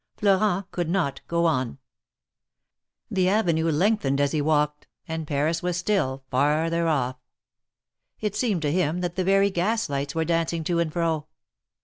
Florent could not go on. The avenue lengthened as he walked, and Paris was still farther off. It seemed to him that the very gas lights were dancing to and fro.